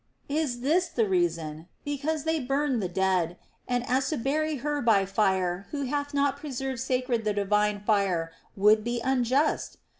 Is this the reason, because they burn the dead, and to bury her by fire who hath not preserved sacred the divine fire would be unjust?